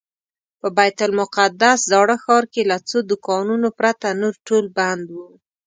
په بیت المقدس زاړه ښار کې له څو دوکانونو پرته نور ټول بند و.